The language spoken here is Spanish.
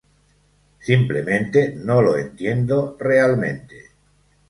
Simplemente no lo entiendo realmente.